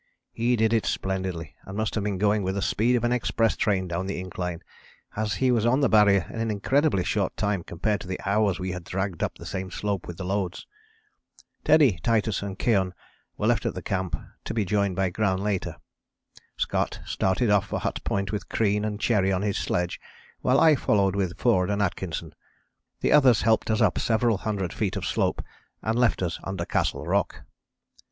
He did it splendidly and must have been going with the speed of an express train down the incline, as he was on the Barrier in an incredibly short time compared to the hours we had dragged up the same slope with the loads. Teddy, Titus and Keohane were left at the camp to be joined by Gran later. Scott started off for Hut Point with Crean and Cherry on his sledge, while I followed with Forde and Atkinson. The others helped us up several hundred feet of slope and left us under Castle Rock.